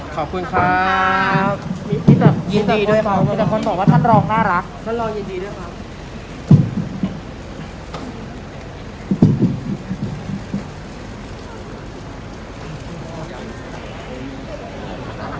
ขอบคุณค่ะยินดีด้วยเขาเดี๋ยวคนบอกว่าท่านรอง่ารักท่านรองยินดีด้วยครับ